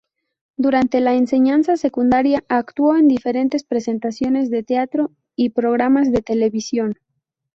Durante la enseñanza secundaria actuó en diferentes presentaciones de teatro y programas de televisión.